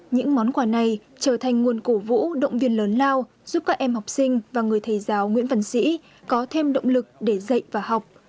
những món quà này trở thành nguồn cổ vũ động viên lớn lao giúp các em học sinh và người thầy giáo nguyễn văn sĩ có thêm động lực để dạy và học